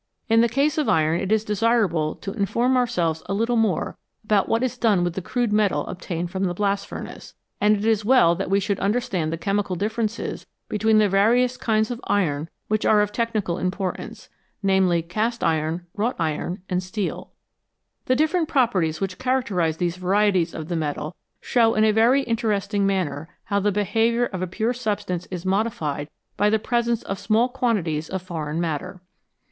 In the case of iron it is desirable to inform ourselves a little more about what is done with the crude metal obtained from the blast furnace, and it is well that we should understand the chemical differences between the various kinds of iron which are of technical importance, namely, cast iron, wrought iron, and steel. The different properties which characterise these varieties of the metal show in a very interesting manner how the behaviour of a pure substance is modified by the presence of small quantities of foreign matter.